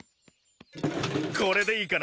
これでいいかな？